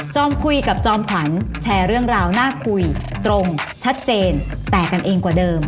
คุยกับจอมขวัญแชร์เรื่องราวน่าคุยตรงชัดเจนแตกกันเองกว่าเดิม